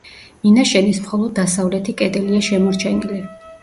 მინაშენის მხოლოდ დასავლეთი კედელია შემორჩენილი.